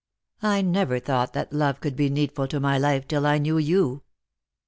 I never thought that love could be needful to my life till I knew you.